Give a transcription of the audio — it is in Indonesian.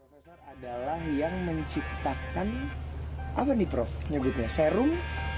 profesor adalah yang menciptakan apa nih prof nyebutnya serum